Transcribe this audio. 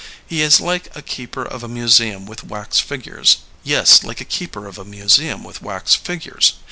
He is like a keeper of a museum with wax figures; yes, like a keeper of a museum with wax figures.